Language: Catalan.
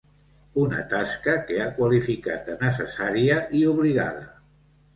Una tasca que ha qualificat de ‘necessària i obligada’.